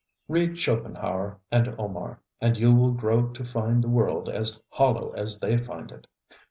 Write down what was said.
ŌĆØ Read Schopenhauer and Omar, and you will grow to find the world as hollow as they find it.